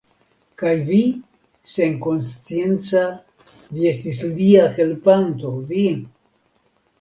Kaj vi, senkonscienca, vi estis lia helpanto, vi!